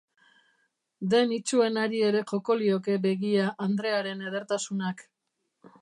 Den itsuenari ere joko lioke begia andre haren edertasunak.